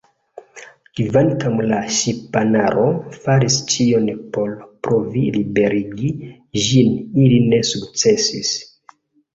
Kvankam la ŝipanaro faris ĉion por provi liberigi ĝin, ili ne sukcesis.